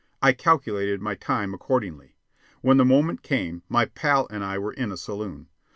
I calculated my time accordingly. When the moment came, my pal and I were in a saloon.